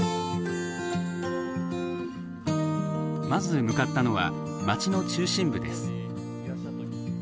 まず向かったのは街の中心部です。